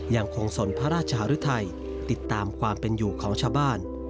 ยังคงสนพระราชหรือไทยติดตามความเป็นอยู่ของชาวบ้าน